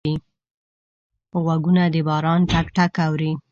غوږونه د باران ټک ټک اوري